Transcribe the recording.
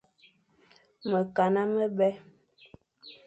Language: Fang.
Mekana mebè.